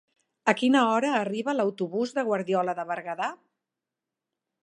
A quina hora arriba l'autobús de Guardiola de Berguedà?